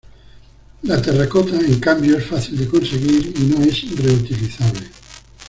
La terracota, en cambio, es fácil de conseguir y no es reutilizable.